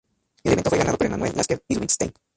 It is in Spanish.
El evento fue ganado por Emanuel Lasker y Rubinstein.